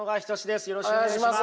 よろしくお願いします。